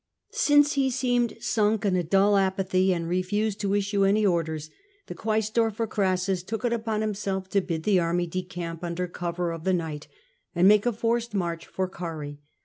Since he seemed sunk in a dull apathy, and refused to issue any orders, the quaestor of Crassus took it upon himself to bid the army decamp under cover of the night, and make a forced march for Oarrhae.